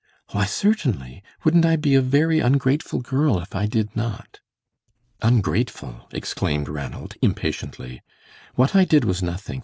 "Why, certainly. Wouldn't I be a very ungrateful girl if I did not?" "Ungrateful!" exclaimed Ranald, impatiently. "What I did was nothing.